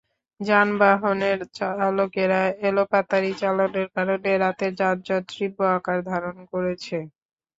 যানবাহনের চালকেরা এলোপাতাড়ি চালানোর কারণে রাতের যানজটই তীব্র আকার ধারণ করেছে।